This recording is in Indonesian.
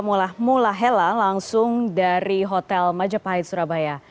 mula hela langsung dari hotel majapahit surabaya